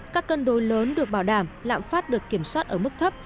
các cân đối lớn được bảo đảm lạm phát được kiểm soát ở mức thấp